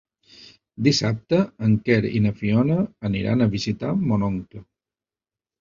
Dissabte en Quer i na Fiona aniran a visitar mon oncle.